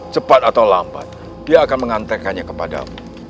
cepat atau lambat dia akan mengantekannya kepadamu